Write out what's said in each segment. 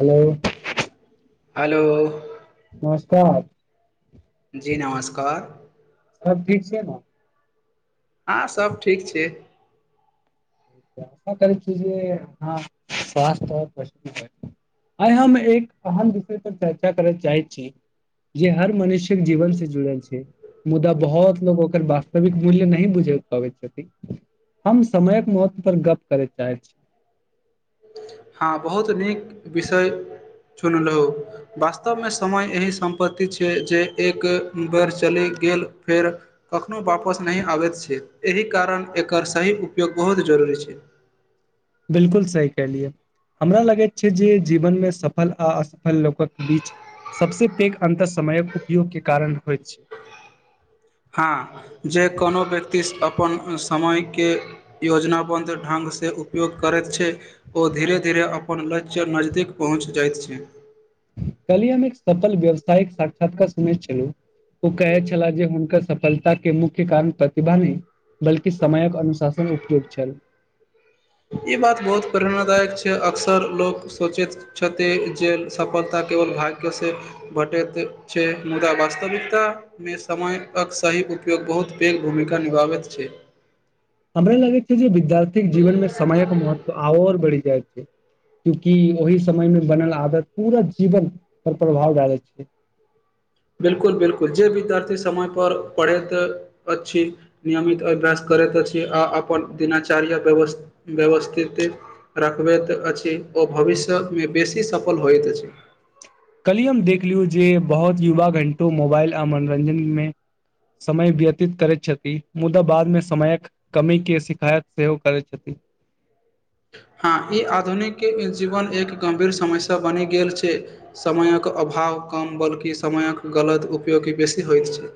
Hello [inaudible] hello नमस्कार जी नमस्कार सब ठीक छै ने हँ सभ ठीक छै आशा करय छी जे अहाँ स्वास्थ आओर मस्ती होइ आइ हम एक अहम विषय पर चर्चा करय चाहै छी जे हर मनुष्यक जीवन से जुड़ल छै मुदा बहोत लोक ओकर वास्तविक मूल्य नहि बुझि पाबैत छथि हम समय मौत पर गप्प करय चाहै छी हँ बहुत नीक विषय चुनलौ वास्तवमे समय एहि सम्पति छै जे एक बेर चलि गेल फेर कखनो वापस नहि आबैत छै एहि कारण एकर सही उपयोग बहुत जरूरी जरूरी छै बिल्कुल सही कहलियै हमरा लगैत छै जे जीवनमे सफल आ असफल लोकक बीच सबसँ पैघ अन्तर समयक उपयोगके कारण होइत छै हँ जे कोनो व्यक्ति अपन समयके योजनबन्ध ढंग जे उपयोग करैत छै ओ धीरे धीरे अपन लक्ष्य नजदीक पहुँच जाइत छै काल्हि हम एक सफल व्यावसायिक साक्षात्कार सुनय छलूं ओ कहै छलाह जे हुनकर सफलताके मुख्य कारण प्रतिभा नहि बल्कि समयक अनुशासन उपयोग छल ई बात बहुत प्रेरणादायक छै अक्सर लोक सोचैत छथि जे सफलताके भाग्यसँ भेटैत छै मुदा वास्तविकता मे समयक सही उपयोग उपयोग बहुत पैघ भूमिका निभाबैत छै हमरा लगैत छै जे विद्यार्थीके जीवन मे समयक महत्व आओर बढ़ि जाइत छै क्योंकि ओहि समयमे बनल आदत पूरा जीवन पर प्रभाव डालैत छै [unintelligible] बिलकुल बिलकुल जे विद्यार्थी समय पर पढ़ैत अछि नियमित अभ्यास करैत अछि अपन देना छै कार्य व्यवस व्यवस्थित रखबैत अछि ओ भविष्यमे बेसी सफल सफल होइत अछि काल्हि हम देख लियौ जे बहुत युवा घण्टो मोबाइल आ मनोरञ्जनमे समय व्यतीत करैत छथि मुदा बादमे समयक कमी के शिकायत सेहो करैत छथि [inaudible] हँ ई आधुनिक जीवन एक गम्भीर समयसँ बनि गेल छै समयक अभाव भाव कम बल्कि समयक गलत उपयोगी बेसी होइत छै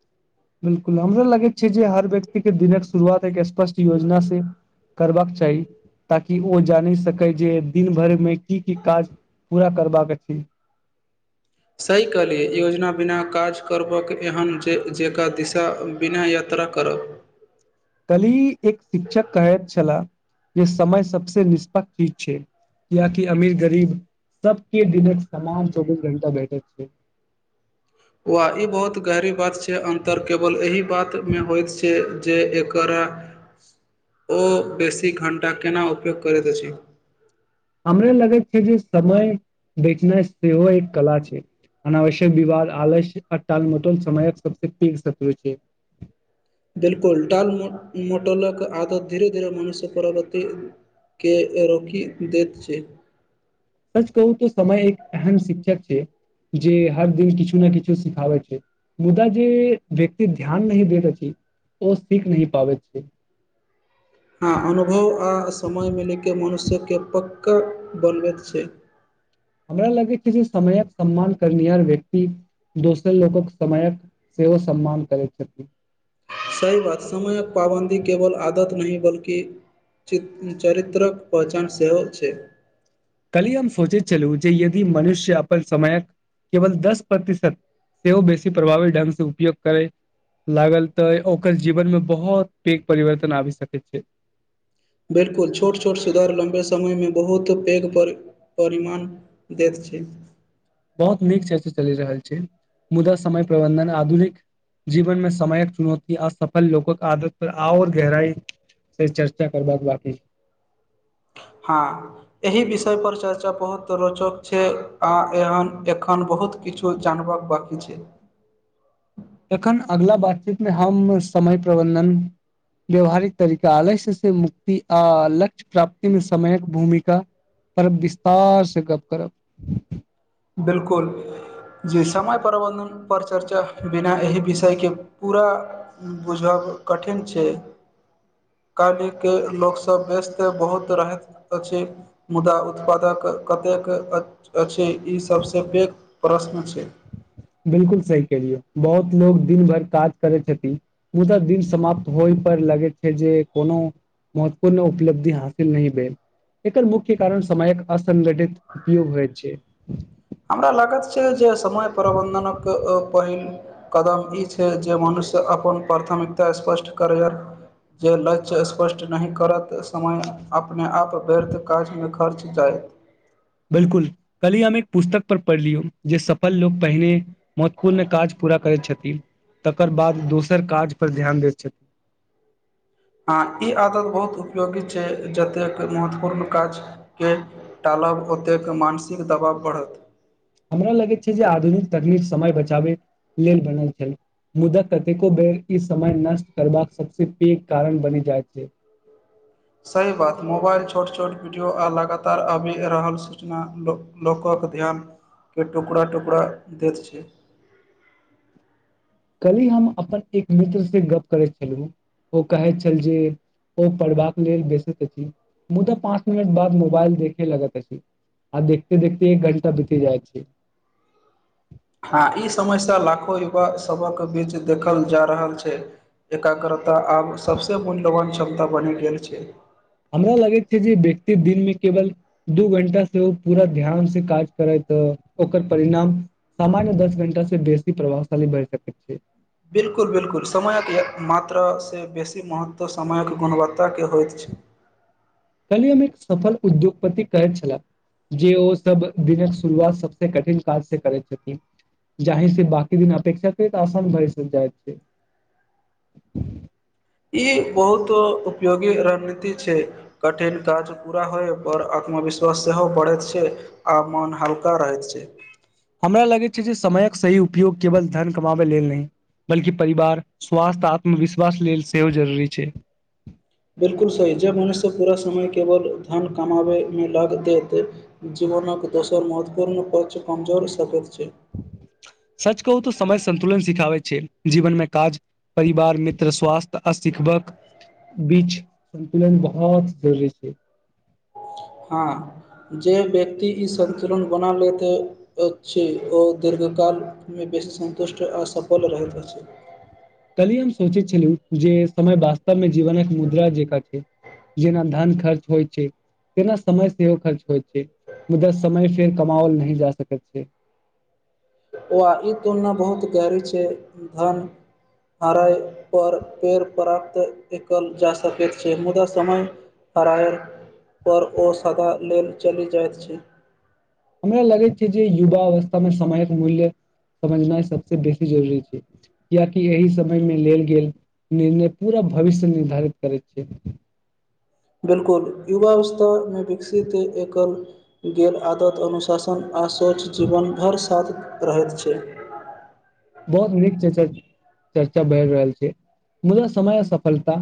[inaudible] बिलकुल हमरो लगैत छै जे हर व्यक्तिक के दिनक शुरुआत एक स्पष्ट योजना से करबाक चाही ताकि ओ जानि सकै जे दिन भरिमे की की काज पूरा करबाक छै सही कहलिए योजना बिना काज करबाक एहन जेक जेकरा दिशा बिना यात यात्रा करब काल्हि एक शिक्षक कहैत छलाह जे समय सबसे निष्पक्ष चीज छै याकि अमीर गरीब सबके दिनक समान चौबीस घंटा भेटैत छै [inaudible] वा ई बहुत गहरी बात छै अन्तर केवल एहि बातमे होइत छै जे एकर हमरा ओ बेसी घण्टा केना उपयोग करैत अछि हमरा लगे छै जे समय बेचनाइ सेहो एक कला छै अनावश्यक विवाद आलस्य आटालमटोल समयक सबसँ पैघ शत्रु छै बिलकुल डाल मोट मोटलक आदत धीरे धीरे मनुष्य परवर्ती के रोकि दैत छै सच कहू तऽ समय एक अहम शिक्षक छै जे हर दिन किछु ने किछु सिखाबै छै मुदा जे व्यक्ति ध्यान नहि देत अछि ओ सीख नहि पाबैत छै हँ अनुभव आ समय मिलैके मनुष्य के पक्का बनबैत छै हमरा लगैत छै जे समयक सम्मान करनिहार व्यक्ति दोसर लोकक समायक सेवा सम्मान करैत छथि सही बात की च चरित्रक पहचान सेहो छै कली हम सोचे चलू जे यदि मनुष्य अपन समयक केवल दस प्रतिशत सेहो ओ बेसी प्रभावी ढंग से उपयोग करे लागल तऽ ओकर जीवनमे बहुत पैघ परिवर्तन आबि सकैत छै बिलकुल छोट छोट सुधार लम्बे समय मे बहुत पैघ पर परिमाण देैत छै बहुत नीक च चलि रहल छै मुदा समय प्रबन्धन आधुनिक जीवन मे समायक चुनौती असफल लोकक आदत पर आओर गहराई से चर्चा करबाद बाकी छै हँ एहि विषयपर चर्चा बहुत रोचक छै आओर एहन एखन बहुत किछु जानवक बाकी छै तखन अगला बातचीत मे हम समय प्रबन्धन व्यावहारिक तरीका आलस्य से मुक्त आ लक्ष्य प्राप्ति मे समयक भूमिका पर विस्तार से गप्प करब बिल्कुल जे समय प्रबन्धन पर चर्चा बिना एहि विषयके पूरा बुझब कठिन छै [inaudible] काल् के लोकग सब व्यस्त बहुत रहैत अछि मुदा उत्पादक कते अछि ई सभसँ पैघ प्रश्न छै बिलकुल सही केलियै बहुत लोकोग दिन भर काज करै छथिन मुदा दिन समाप्त होइ पर लगे छै जे कोनो महत्वपूर्ण उपलब्धि हासिल नहि भेल एकर मुख्य कारण समयक असंगठित उपयोग होइत छै हमरा लागत छै जे समय प्रबन्धनक पहिल कदम ई छै जे मनुष्य अपन प्राथमिकता स्पष्ट करै जे लक्ष्य स्पष्ट नहि करत समय अप अपने आप व्यर्थ काजमे खर्च जायत बिलकुल कहली हम एक पुस्तक पर पढ़ लियौ जे सफल लोक पहिने महत्वपूर्ण काज पूरा करैत छथिन तकर बाद दोसर काज पर ध्यान दैत छथिन हँ ई आदत बहुत उपयोगी छै जतेक महत्वपूर्ण काज के टालब ओतेक मानसिक दबाव बढ़त हमरा लगैत छै जे आधुनिक तकनीक समय बचाबै लेल बनल छै मुदा कतेको बेर ई समय नष्ट करबाक सबस पैघ कारण बनि जाइत छै [inaudible] सही बात मोबाइल छोट छोट वीडियो आ लगातार आबि रहल सूचना लोकक क ध्यान के टुकड़ा टुकड़ा दैत छै कली हम अपन एक मित्र से गप करैत छलहुँ ओ कहय छलल जे ओ पढ़बाक लेल बेसैत अछि मुदा पाँच मिनट बाद मोबाइल देखे लगैत अछि आ देखते देखते एक घण्टा बीती जाइत छै हँ ई समस्या लाखो युवा सभक बीच देखल जा रहल छै एकाग्रता आब सभसँ मूल्यवान क्षमता बनि गेल छै हमरा लगैत छै जे व्यक्ति दिन मे केवल दू घण्टा से ओ पूरा ध्यान से काज करैत तऽ ओकर परिणाम सामान्य दस घण्टा से बेसी प्रभावशाली बढ़ि सकैत छै बिलकुल बिलकुल समयक मात्रा से बेसी महत्व समयक गुणव ताके होइत छै कल्हि हम एक सफल उद्योगपति कहैत छलाह जे ओ सब दिनक शुरुआत सभस कठिन काजसँ करैत छथिन जाहि से बाकी दिन अपेक्षाकृत आसान भरिसँ जाइत छै [inaudible] ई बहुत उपयोगी रणनीति छै कठिन काज पूरा होय पर आत्मविश्वास सेहो बढ़ैत छै आ मोन हल्का रहैत छै हमरा लगैत छै जे समयक सही उपयोग केवल धन कमाबै लेल नहि बल्कि परिवार स्वास्थ्य आत्मविश्वास लेल सेहो जरूरी छै बिल्कुल सही जब मनुष्य पूरा समय केवल धन कमाबय मे लग देत जे मोनक दोसर महत्वपूर्ण पक्ष कमजोर सकैत छै सच कहू तऽ समय सन्तुलन सिखाबे छै जीवन मे काज परिवार मित्र स्वास्थ्य आ सिखबक बीच संतुलन बहुत जरुरी छै हँ जे व्यक्ति ई संतुलन बना लैत अछि ओ दीर्घ कालमे बेसी सन्तुष्ट आ सफल रहैत अछि कल्हि हम सोचैत छलहुँ जे समय वास्तवमे जीवन एक मुद्रा जेका छै जेना धन खर्च होइ छै तेना समय सेहो खर्च होइछै होइ छै मुदा समय फेर कमाओल नहि जा सकै छै वा ई तुलना बहुत गहरी छै धन हराय पर पेड़ प्राप्त कयल जा सकैत छै मुदा समय हराय पर ओ सदा लेल चलि जाइत छै हमरा लगै छै जे युवा अवस्थामे समयक मूल्य समझनाइ सभसँ बेसी जरूरी छै कियाकि एहि समयमे लेल गेल निर्णय पूरा भविष्य निर्धारित करैत छै बिल्कुल युवावस्थामे विकसित एकल गेल आदत अनुशासन आ आ स्वस्थ जीवन भर साथ रहैत छै [inaudible] बहुत नीक चर्चा चर्चा बढ़ि रहल छै मुदा समय आ सफलता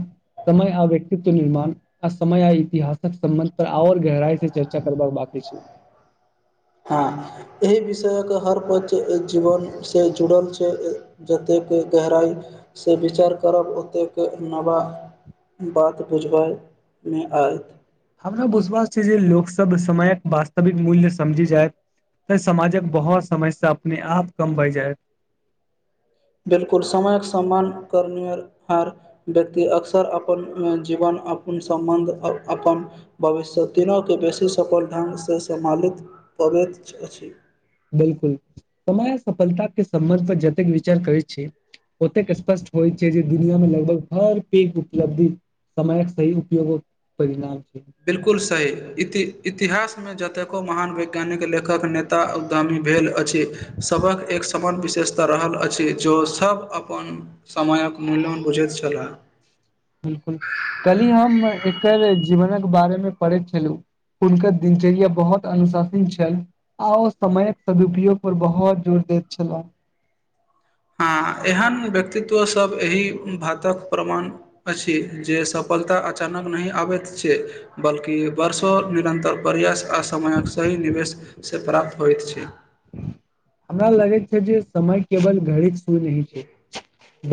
समय आ व्यक्तित्व निर्माण आ समय आ इतिहासक संबध पर आओर गहराई से चर्चा करबाक बात जछा [unintelligible] हँ एहि विषयके हर पक्ष जीवन से जुड़ल छै जतेक गहराइसँ विचार करब ओतेक नवा बात बुझबायमे आयत हमरा विश्वास छै जे लोकसभ समयक वास्तविक मूल्य समझि जाय तऽ समाजक बहुत समस्या अपने आप कम भऽ जायत बिलकुल समयक सम्मान करनिहार व्यक्ति अक्सर अपन जीवन अपन संबन्ध आ अपन भविष्य तीनू के बेसी सफल ढंगसँ सम्मिलित पबैत अछि बिलकुल समय सफलता के सम्बन्ध पर जतेक विचार करै छै ओतेक स्पष्ट होइ छै जे दुनिया मे लगभग हर पैघ उपलब्धि समयक सहि उपयोगो परिणाम बिलकुल सही इति इतिहास मे जतेको महान वैज्ञानिक लेखक नेता उध्यामी भेल अछि सभक एक समान विशेष ता रहल अछि जो सभ अपन समयक मूल्यवान बुझैत छलाह बिल्कुल कलहि हम एकर जीवनक बारेमे पढ़ैत छलहुँ हुनकर दिनचर्या बहुत अनुशासीत छल आ ओ समयक सदुपयोग पर बहुत जोर देत छलाह [inaudible] हँ एहन व्यक्तित्व सब एहि बातक प्रमाण अछि जे सफलता अचानक नहि आबैत छै बल्कि वर्षो निरन्तर प्रयास आ समयक सही निवेश से प्राप्त होइत छै हमरा लगै छै जे समय केवल घड़ी सुन्य रहै छै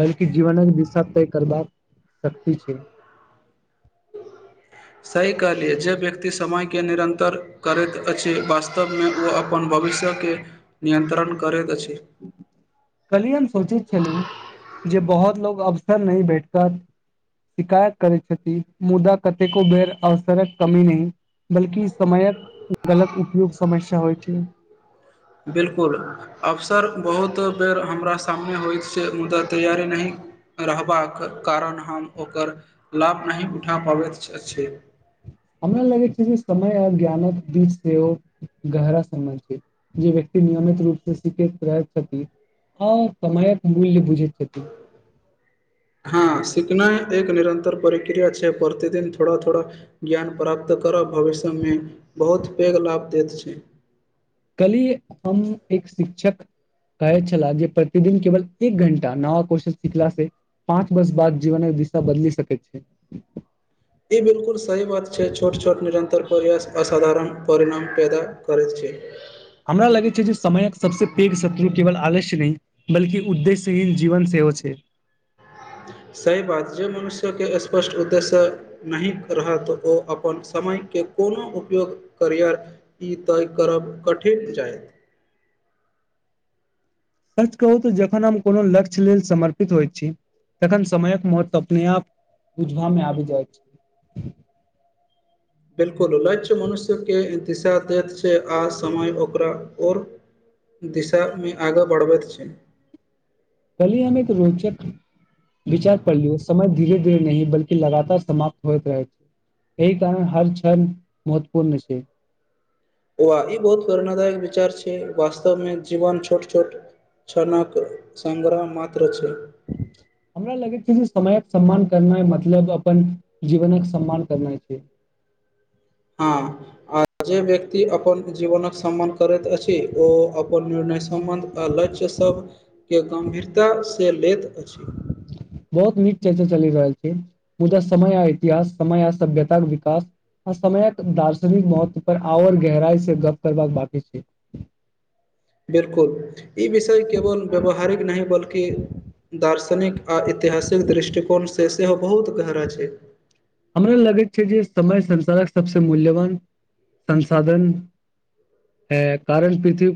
बल्कि जीवनक दिशा तय करबाक शक्ति छै सही कहलियै जे व्यक्ति समयके निरन्तर करैत अछि वास्तवमे ओ अपन बात भविष्यके नियन्त्रण करैत अछि कल्हि हम सोचैत छलहु जे बहुत लो अवसर नहि भेटत शिकायत करै छथि मुदा कतेको बेर अवसरक कमी नहि बल्कि समयक गलत उपयोग समस्या होइ छै बिल्कुल अबसर बहुत बेर हमरा सामने होइत छै मुदा तैयारी नहि रहबाक कारण हम ओकर लाभ नहि उठा पाबैत अछि हमरा लगैत छै जे समय आब ज्ञानक बीच सेहो गहरा समान छै जे व्यक्ति नियमित रूपसे सिखैक प्रयास छथि हंऽ समयक मूल्य बुझैत छथिन। हँ सिखनाय एक निरन्तर प्रक्रिया छैय प्रतिदिन थोड़ा - थोड़ा ज्ञान प्राप्त। तऽ करब भविष्यमे बहुत पेघ लाभ देत छै कल्हि हम्म एक शिक्षक। कहैत छला जे प्रतिदिन केवल एक घण्टा नव क्वेश्चन सिखला से पाँच वर्ष बाद जीवने। दिशा बदलि सकैत छै ई बिल्कुल सही बात छै छोट - छोट निरंतर प्रयास असाधारण परिणाम। पैदा करैत छै हमरा लगैत छै जे समयक सबसँ पैघ शत्रु केवल आलस्य नहि बल्कि उद्देश्यहीन जीवन से। केयो छै। सय बात जे मनुष्यके स्पष्ट उद्देश्य नहि रहत ओ अपन स। समयके कोनो उपयोग करियर ई तय करब कठिन जायत। [inaudible] सच कहू तऽ जखन हम कोनो लक्ष्य लेल समर्पित होइत छी। तखन समयक महत्व अपने आप बुझबामे आबि जाइत छै। [inaudible] बिलकुल लक्ष्य मनुष्यके दिशा देैत छै आ समय ओकरा। ओर दिशामे आगाँ बढ़बैत छै। कल्हि हम एक रोचक। विचार कर लियौ समय धीरे धीरे नहि बल्कि लगातार समाप्त होइत अछि। एहि कारण हर क्षण महत्वपूर्ण छै बौआ ई बहुत प्रेरणादायक विचार छै वास्तवमे जीवन छोट - छोट। छनक संग्रह मत। हमरा लगैत छै जे समयक। सम्मान करनाई मतलब अपन जीवनक सम्मान करनाई छै हाँ आ जे व्यक्ति अपन जीवनक। सम्मान करैत अछि ओ अपन निर्णय सम्बन्ध आ लक्ष्य सब। के गम्भीरता से लैत अछि। बहुत नीक छै जे चलि रहल छै मुदा समय आ इतिहास समय आ सभ्यताक विकास। आ समयक दार्शनिक महत्व पर आओर गहराई से गप्प करबाक बाकी छै [inaudible] बिल्कुल ई विषय केवल व्यवहारिक नहि बल्कि। दार्शनिक आ ऐतिहासिक दृष्टिकोण से सेहो बहुत। गहरा छै हमरा लगैत छै जे। समय संसारक सबसे मूल्यवान संसाधन। अय कारण पृथ्वी।